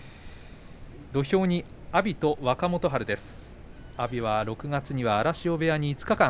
土俵に阿炎と若元春です。